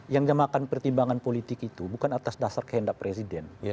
yang dimakan pertimbangan politik itu bukan atas dasar kehendak presiden